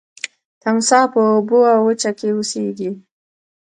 تمساح په اوبو او وچه کې اوسیږي